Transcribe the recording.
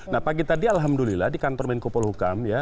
nah pagi tadi alhamdulillah di kantor menkopol hukam ya